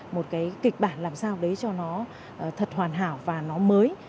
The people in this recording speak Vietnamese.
một cái kịch bản làm sao đấy cho nó thật hoàn hảo và nó mới